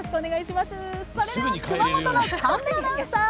それでは熊本の神戸アナウンサー。